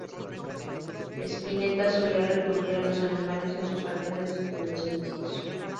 Spinetta solía recurrir a los animales en sus canciones, desde los inicios.